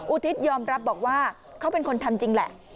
อุทิศยอมรับบอกว่าเขาเป็นคนทำจริงแหละ